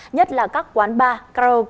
nhất là các quán bar karaoke cà phê nhà hàng